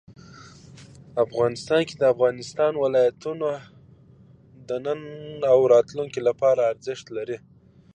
افغانستان کې د افغانستان ولايتونه د نن او راتلونکي لپاره ارزښت لري.